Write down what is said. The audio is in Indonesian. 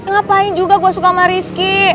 ngapain juga gue suka sama rizky